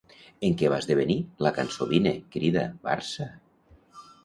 En què va esdevenir la cançó Vine, crida, Barça?